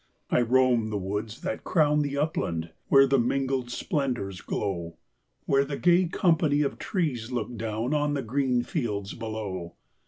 I roam the woods that crown The upland, where the mingled splendours glow, Where the gay company of trees look down On the green fields below.